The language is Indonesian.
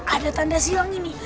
ada tanda silang ini